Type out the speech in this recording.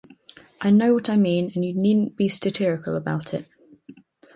I know what I mean, and you needn't be 'statirical' about it.